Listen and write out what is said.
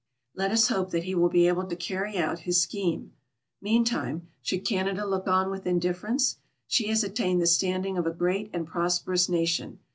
Let us hope that he will be able to carry out his scheme. Meantime, should Canada look on with indifference ? She has attained the standing of a great and prosperous nation.